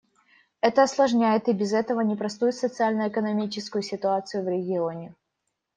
Это осложняет и без того непростую социально-экономическую ситуацию в регионе.